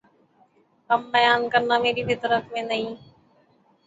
غم بیان کرنا میری فطرت میں نہیں